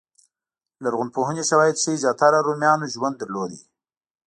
لرغونپوهنې شواهد ښيي زیاتره رومیانو ژوند درلود.